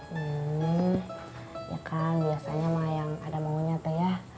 hmm ya kan biasanya mah yang ada maunya tuh ya